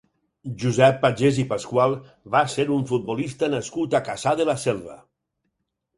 Josep Pagès i Pascual va ser un futbolista nascut a Cassà de la Selva.